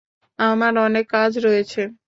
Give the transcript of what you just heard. আমার অনেক কাজ রয়েছে।